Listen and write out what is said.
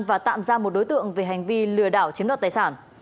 và tạm ra một đối tượng về hành vi lừa đảo chiếm đoạt tài sản